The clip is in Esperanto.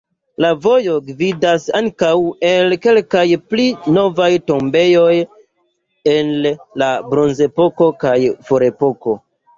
La vojo gvidas ankaŭ al kelkaj pli novaj tombejoj el la bronzepoko kaj ferepoko.